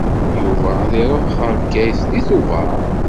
Yuba ad iṛuḥ ɣer Bgayet deg Tubeṛ.